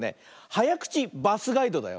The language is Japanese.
「はやくちバスガイド」だよ。